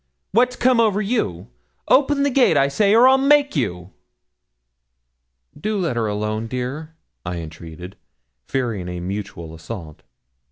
What's come over you? Open the gate, I say, or I'll make you.' 'Do let her alone, dear,' I entreated, fearing a mutual assault.